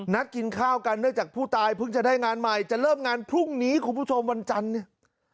กินข้าวกันเนื่องจากผู้ตายเพิ่งจะได้งานใหม่จะเริ่มงานพรุ่งนี้คุณผู้ชมวันจันทร์เนี่ย